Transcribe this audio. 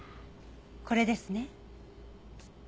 これですね。